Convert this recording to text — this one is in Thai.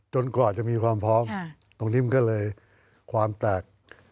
กว่าจะมีความพร้อมตรงนี้มันก็เลยความแตก